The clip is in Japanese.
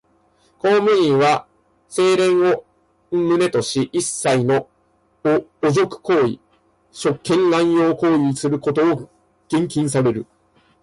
公務員は廉潔を旨とし、一切の汚辱行為、職権濫用行為をすることを厳禁される。